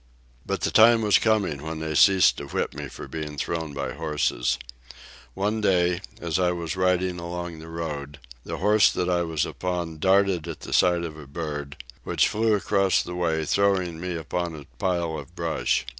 But the time was coming when they ceased to whip me for being thrown by horses. One day, as I was riding along the road, the horse that I was upon darted at the sight of a bird, which flew across the way, throwing me upon a pile of brush.